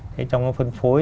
trong cái phân phối